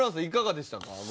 いかがでしたか？